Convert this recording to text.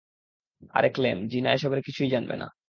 আরে Clem, Gina এসবের কিছুই জানবে না।